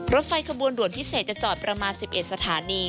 รถไฟขบวนด่วนพิเศษจะจอดประมาณ๑๑สถานี